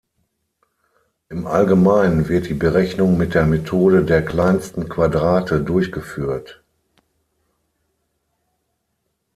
Im Allgemeinen wird die Berechnung mit der Methode der kleinsten Quadrate durchgeführt.